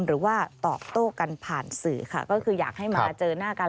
หรือว่าตอบโต้กันผ่านสื่อค่ะก็คืออยากให้มาเจอหน้ากัน